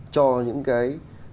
cho những cái